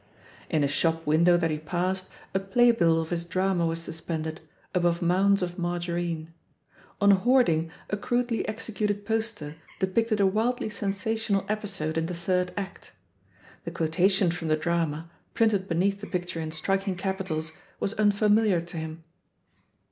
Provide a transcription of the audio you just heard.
In a shop window that he passed, a playbill of his drama was suspended, above mounds of mar garine ; on a hoarding, a crudely executed poster depicted a wildly sensational episode in the third act. The quotation from the drama, printed beneath the picture in striking capitals, was un familiar to him.